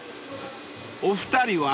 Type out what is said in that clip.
［お二人は？］